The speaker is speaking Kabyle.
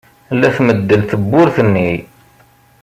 La tmeddel tewwurt-nni.